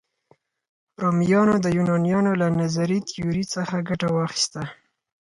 رومیانو د یونانیانو له نظري تیوري څخه ګټه واخیسته.